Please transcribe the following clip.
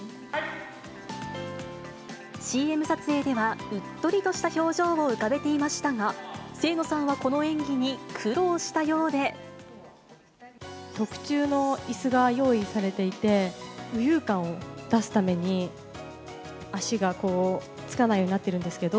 ＣＭ撮影では、うっとりとした表情を浮かべていましたが、清野さんはこの演技に特注のいすが用意されていて、浮遊感を出すために、足がこう、つかないようになってるんですけど。